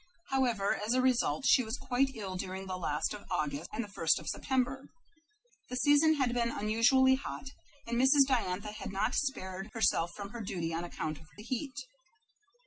However, as a result she was quite ill during the last of August and the first of September. The season had been unusually hot, and Mrs. Diantha had not spared herself from her duty on account of the heat.